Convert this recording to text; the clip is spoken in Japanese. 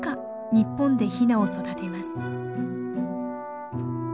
日本でヒナを育てます。